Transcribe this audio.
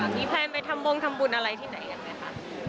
พี่ไพไปทำบุญอะไรที่ไหนอย่างไรคะ